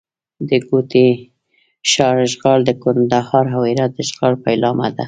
د کوټې د ښار اشغال د کندهار او هرات د اشغال پیلامه ده.